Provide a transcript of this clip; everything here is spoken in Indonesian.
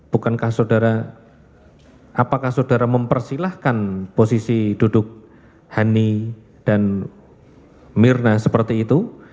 bukankah saudara apakah saudara mempersilahkan posisi duduk hani dan mirna seperti itu